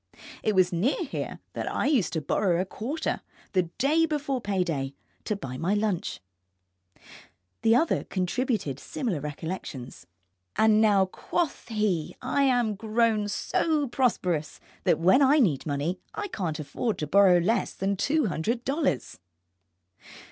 It was near here that I used to borrow a quarter, the day before pay day, to buy my lunch. The other contributed similar recollections. And now, quoth he, I am grown so prosperous that when I need money I can't afford to borrow less than two hundred dollars.